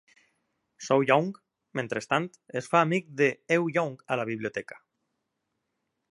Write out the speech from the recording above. So-young, mentrestant, es fa amic de Eun-young a la biblioteca.